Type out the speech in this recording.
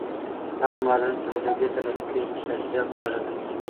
هغه مالونه چي له جګړې ترلاسه کیږي په شاه شجاع پوري اړه لري.